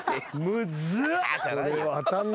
むずっ！